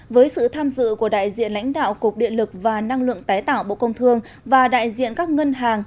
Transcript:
với sự tham dự của đại diện lãnh đạo cục điện lực và năng lượng tái tạo bộ công thương và đại diện các ngân hàng